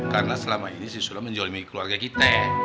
karena selama ini si sulam menjolimi keluarga kita